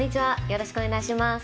よろしくお願いします。